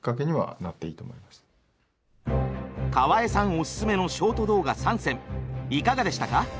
オススメのショート動画３選いかがでしたか？